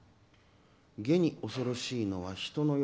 げに恐ろしいのは人の欲。